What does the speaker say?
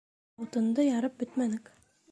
Ә утынды ярып бөтмәнек.